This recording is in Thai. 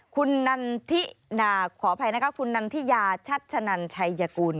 คุณนันขออภัยนะคะคุณนันทิยาชัชนันชัยกุล